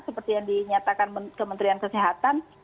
seperti yang dinyatakan kementerian kesehatan